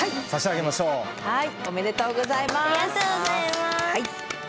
ありがとうございます。